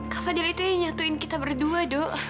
kak fadil itu yang nyatuin kita berdua dok